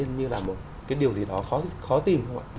như là một cái điều gì đó khó tìm không ạ